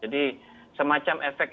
jadi bagaimana can try ixtion ala